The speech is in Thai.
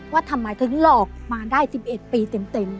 ว่าทำไมถึงหลอกมาได้๑๑ปีเต็ม